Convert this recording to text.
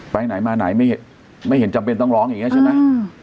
ไปไหนมาไหนไม่เห็นจำเป็นต้องร้องอย่างนี้ใช่ไหม